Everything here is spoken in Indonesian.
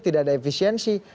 tidak ada efisiensi